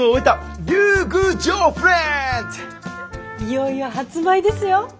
いよいよ発売ですよ。